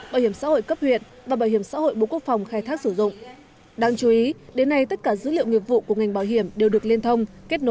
bảo hiểm xã hội cấp huyện và bảo hiểm xã hội bố quốc phòng khai thác sử dụng